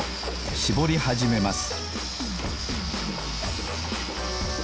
しぼりはじめます